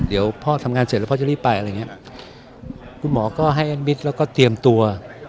เดี๋ยวพ่อทำงานเสร็จแล้วพ่อจะรีบไปอะไรอย่างเงี้ยคุณหมอก็ให้แอดมิตรแล้วก็เตรียมตัว